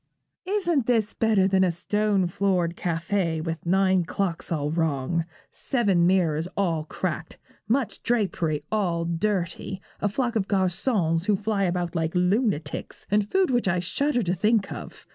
'Isn't this better than a stone floored café with nine clocks all wrong, seven mirrors all cracked, much drapery all dirty, a flock of garçons who fly about like lunatics, and food which I shudder to think of?